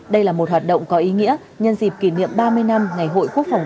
đây là một hoạt động có ý nghĩa nhân dịp kỷ niệm ba mươi năm ngày hội quốc phòng